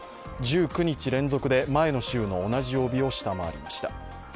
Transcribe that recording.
１９日連続で前の週の同じ曜日を下回りました。